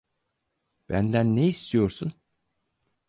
Benden ne istiyorsun?